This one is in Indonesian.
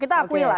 kita akuin lah